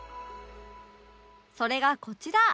それがこちら